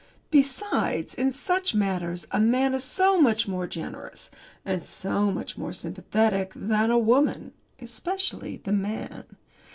Besides, in such matters, a man is so much more generous, and so much more sympathetic than a woman especially the man.